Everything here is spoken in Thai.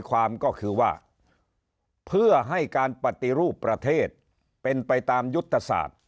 ความก็คือว่าเพื่อให้การปฏิรูปประเทศเป็นไปตามยุทธศาสตร์